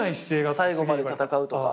最後まで戦うとか。